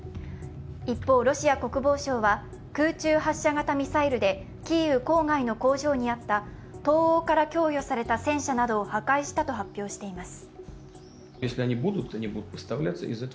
一方、ロシア国防省は空中発射型ミサイルでキーウ郊外の工場にあった東欧から供与された戦車などを破壊したと発表しています。